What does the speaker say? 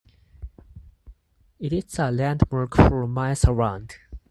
It is a landmark for miles around.